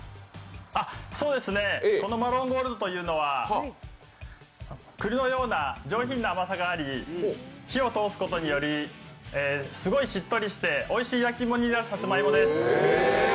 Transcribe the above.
そうですね、マロンゴールドというのはくりのような上品な甘さがあり、火を通すことによりすごいしっとりしておいしい焼き芋になるさつまいもです。